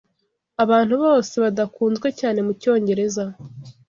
abantu bose badakunzwe cyane mucyongereza